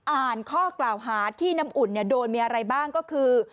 อ่านข้อกล่าวหาที่น้ำอุ่นโดนมีอะไรบ้างก็คือ